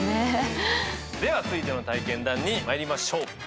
では続いての体験談に参りましょう。